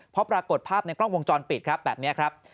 เพราะปรากฏภาพในกล้องวงจรปิดครับแบบนี้ครับ